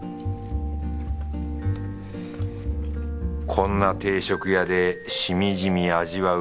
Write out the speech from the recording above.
こんな定食屋でしみじみ味わう